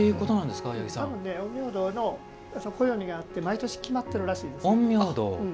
多分、陰陽道の暦があって毎年、決まってるらしいです。